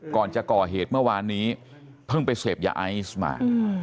ก่อนจะก่อเหตุเมื่อวานนี้เพิ่งไปเสพยาไอซ์มา